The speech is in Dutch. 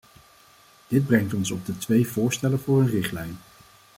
Dit brengt ons op de twee voorstellen voor een richtlijn.